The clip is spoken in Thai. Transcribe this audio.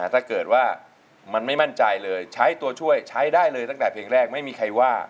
ถ้าเกิดว่ามันไม่มั่นใจเลยใช้ตัวช่วยใช้ได้เลยตั้งแต่เพลงแรกไม่มีใครว่า